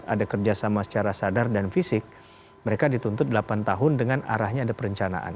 ada kerjasama secara sadar dan fisik mereka dituntut delapan tahun dengan arahnya ada perencanaan